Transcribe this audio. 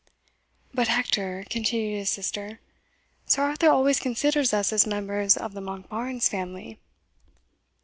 "But, Hector," continued his sister, "Sir Arthur always considers us as members of the Monkbarns family."